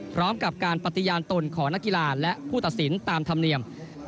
พร้อมกับการปฏิญาณตนของนักกีฬาและผู้ตัดสินตามธรรมเนียม